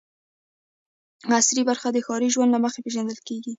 عصري برخه د ښاري ژوند له مخې پېژندل کېږي.